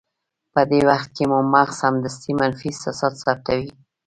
په دې وخت کې مو مغز سمدستي منفي احساسات ثبتوي.